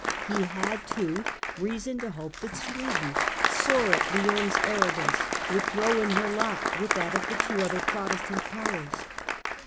He had, too, reason to hope that Sweden, sore at Lionne's arrogance, would throw in her lot with that of the two other Protestant powers.